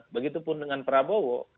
begitu pun dengan prabowo